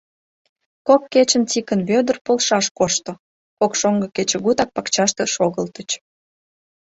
Кок кечын Тикын Вӧдыр полшаш кошто, кок шоҥго кечыгутак пакчаште шогылтыч.